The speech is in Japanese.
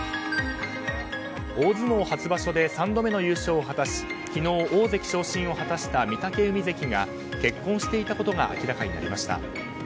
大相撲初場所で３度目の優勝を果たし昨日、大関昇進を果たした御嶽海関が結婚していたことが明らかになりました。